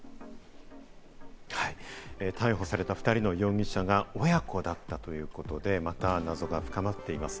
逮捕された２人の容疑者が親子だったということで、また謎が深まっています。